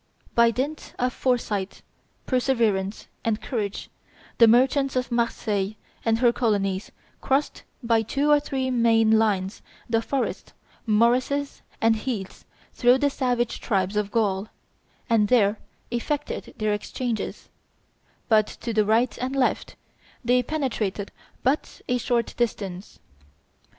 By dint of foresight, perseverance, and courage, the merchants of Marseilles and her colonies crossed by two or three main lines the forests, morasses, and heaths through the savage tribes of Gauls, and there effected their exchanges, but to the right and left they penetrated but a short distance.